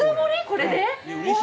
これで？